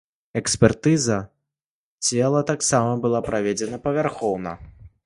Экспертыза цела таксама была праведзена павярхоўна.